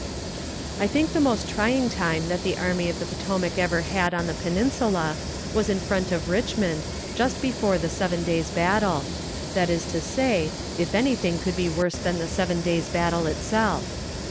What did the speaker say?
I think the most trying time that the Army of the Potomac ever had on the Peninsula was in front of Richmond, just before the seven days' battle that is to say, if anything could be worse than the seven day's battle itself.